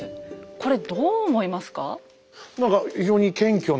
これどう思いますか？